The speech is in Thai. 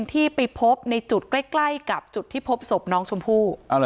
ที่ไปพบในจุดใกล้กับจุดที่พบศพน้องชมพู่